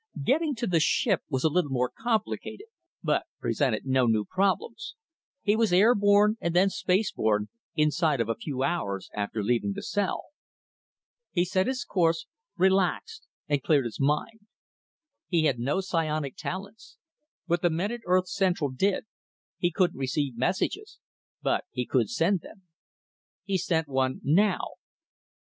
Getting to the ship was a little more complicated, but presented no new problems; he was airborne, and then space borne, inside of a few hours after leaving the cell. He set his course, relaxed, and cleared his mind. He had no psionic talents, but the men at Earth Central did; he couldn't receive messages, but he could send them. He sent one now.